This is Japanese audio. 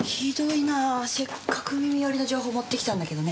せっかく耳寄りな情報持ってきたんだけどね。